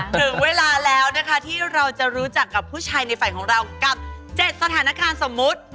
ถึงเวลาแล้วนะคะที่เราจะรู้จักกับผู้ชายในฝันของเรากับ๗สถานการณ์สมมุติ